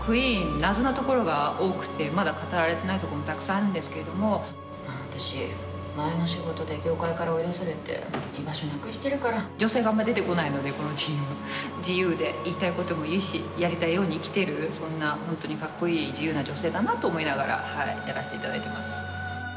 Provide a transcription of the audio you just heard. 謎なところが多くてまだ語られてないとこもたくさんあるんですけれども私前の仕事で業界から追い出されて居場所なくしてるから女性があんま出てこないのでこのチーム自由で言いたいことも言うしやりたいように生きてるそんなホントにかっこいい自由な女性だなと思いながらはいやらせていただいてます